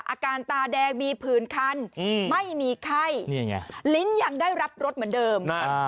อาการตาแดงมีผื่นคันไม่มีไข้ลิ้นยังได้รับรสเหมือนเดิม